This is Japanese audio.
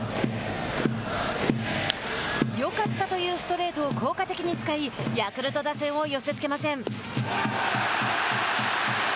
よかったというストレートを効果的に使いヤクルト打線を寄せつけません。